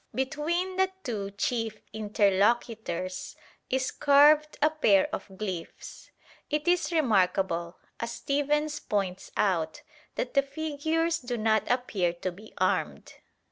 Between the two chief interlocutors is carved a pair of glyphs. It is remarkable, as Stephens points out, that the figures do not appear to be armed.